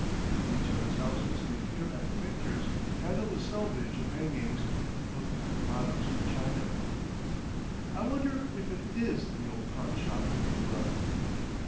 In each other's houses they peer at the pictures, handle the selvage of hangings, look at the bottoms of china.... I wonder if it IS the old pawnshop in the blood.